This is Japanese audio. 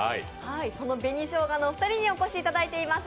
その紅しょうがのお二人にお越しいただいています。